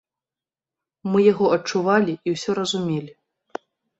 Мы яго адчувалі і ўсё разумелі.